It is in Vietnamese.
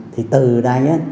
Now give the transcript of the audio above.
thì từ đây